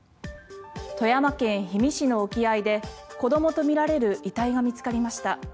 富山県氷見市の沖合で子どもとみられる遺体が見つかりました。